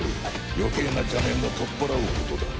余計な邪念も取っ払うことだ。